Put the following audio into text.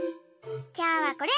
きょうはこれ！